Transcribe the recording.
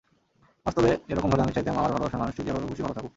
বাস্তবে এরকম হলে আমি চাইতাম, আমার ভালোবাসার মানুষটি যেভাবে খুশি ভালো থাকুক।